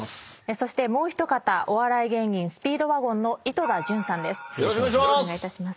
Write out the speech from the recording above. そしてお笑い芸人スピードワゴンの井戸田潤さんです。